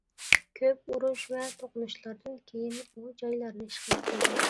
كۆپ ئۇرۇش ۋە توقۇنۇشلاردىن كېيىن، ئۇ جايلارنى ئىشغال قىلدى.